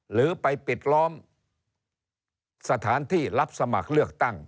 หรือไปปิดล้อมสถานที่รับสมัครเลือกตั้ง